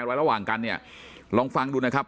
ระหว่างกันเนี่ยลองฟังดูนะครับ